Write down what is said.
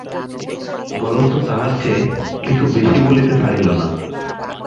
বরঞ্চ তাহার চেয়েও কিছু বেশি বলিতে ছাড়িল না।